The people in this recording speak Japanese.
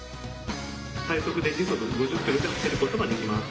最速で時速５０ｋｍで走ることができます。